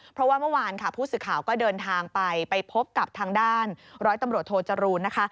เพราะว่าเมื่อวานค่ะผู้สื่อข่าวก็เดินทางไปไปพบกับทางด้านร้อยตำรวจโทจรูนนะคะ